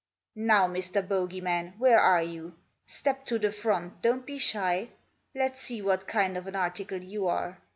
" Now, Mr. Bogey man, where are you ? Step to the front, don't be shy I Let's see what kind of an article you are.